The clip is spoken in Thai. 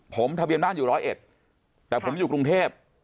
ผมทะเบียนบ้านอยู่ร้อยเอ็ดแต่ผมอยู่กรุงเทพ